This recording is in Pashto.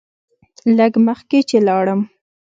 لږ مخکې چې لاړم.